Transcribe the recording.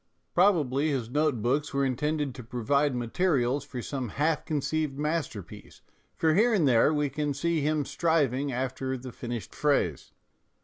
Probably his CONVERSATIONAL MISERS 283 note books were intended to provide materials for some half conceived masterpiece, for here and there we can see him striving after the finished phrase.